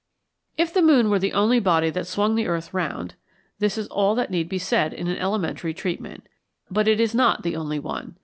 ] If the moon were the only body that swung the earth round, this is all that need be said in an elementary treatment; but it is not the only one.